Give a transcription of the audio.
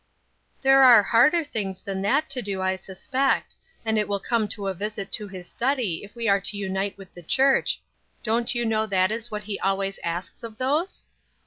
"There are harder things than that to do, I suspect; and it will come to a visit to his study if we are to unite with the church; don't you know that is what he always asks of those?"